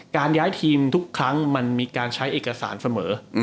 ย้ายทีมทุกครั้งมันมีการใช้เอกสารเสมอ